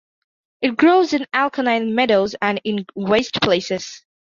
It grows in alkaline meadows and in waste places.